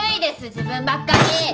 自分ばっかり！